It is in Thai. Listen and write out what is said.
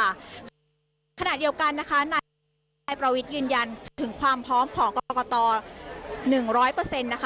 ในขณะเดียวกันนายประวิทรัฐนาได้ยืนยันถึงความพร้อมของกรกฎา๑๐๐